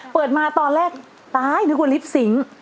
เปิดมาตอนแรกตายนึกว่าลิฟต์สิง